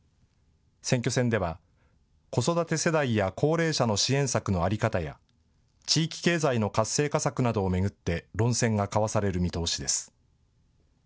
選挙戦では子育て世代や高齢者の支援策の在り方や地域経済の活性化策などを巡って論戦が交わされる見通しです。